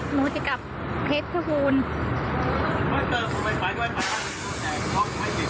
หนูจะกลับรถหนูจะกลับเพชรพูน